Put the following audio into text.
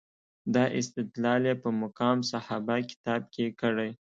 دا استدلال یې په مقام صحابه کتاب کې کړی.